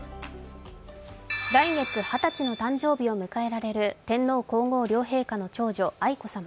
来月二十歳の誕生日を迎えられる天皇皇后両陛下の長女、愛子さま。